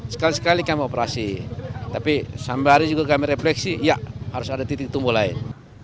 sekali sekali kami operasi tapi sampai hari juga kami refleksi ya harus ada titik tumbuh lain